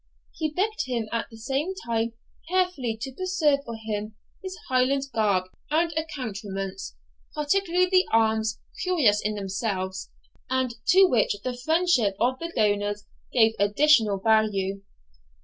He begged him at the same time carefully to preserve for him his Highland garb and accoutrements, particularly the arms, curious in themselves, and to which the friendship of the donors gave additional value.